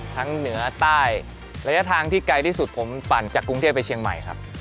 เหนือใต้ระยะทางที่ไกลที่สุดผมปั่นจากกรุงเทพไปเชียงใหม่ครับ